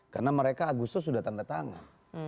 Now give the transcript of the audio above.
karena mereka agus tuh sudah tanda tangan